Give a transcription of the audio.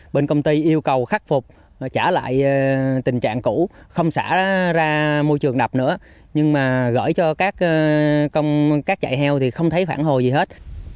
bên công ty yêu cầu khắc phục trả lại tình trạng cũ không xả ra môi trường đập nữa nhưng mà gửi cho các chạy heo thì không thấy phản hồi gì hết